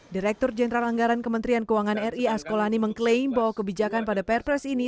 direktur jenderal anggaran kementerian keuangan ri asko lani mengklaim bahwa kebijakan pada perpres ini